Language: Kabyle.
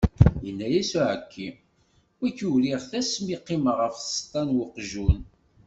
Yenna-as s uɛekki, wagi uriɣ-t asmi qqimeɣ ɣef tseṭṭa n weqjun.